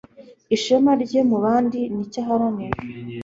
ishema rye mu bandi nicyo aharanira